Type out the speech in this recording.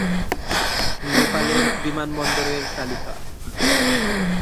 নেপালের বিমানবন্দরের তালিকা